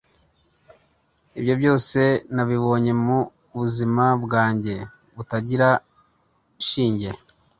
ibi byose nabibonye mu buzima bwanjye butagira shinge